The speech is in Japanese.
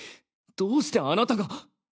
どうしてあなたが？